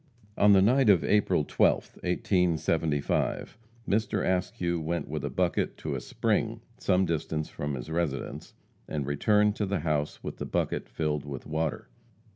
On the night of April 12th, 1875, Mr. Askew went with a bucket to a spring some distance from his residence, and returned to the house with the bucket filled with water.